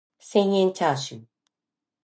千円チャーシュー